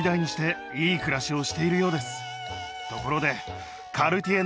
ところで。